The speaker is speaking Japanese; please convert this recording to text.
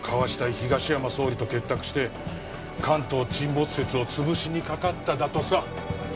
東山総理と結託して関東沈没説をつぶしにかかっただとさ